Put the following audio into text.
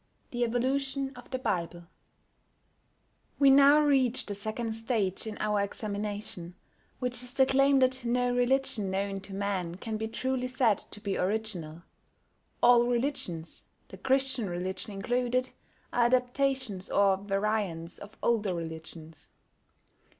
THE EVOLUTION OF THE BIBLE We now reach the second stage in our examination, which is the claim that no religion known to man can be truly said to be original. All religions, the Christian religion included, are adaptations or variants of older religions.